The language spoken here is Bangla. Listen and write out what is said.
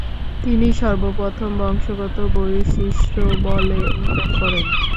তিনি সর্বপ্রথম বংশগত বৈশিষ্ট্য বলে উল্লেখ করেন।